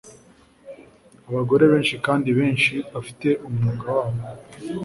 Abagore benshi kandi benshi bafite umwuga wabo